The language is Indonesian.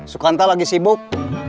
sukanta lagi sibuk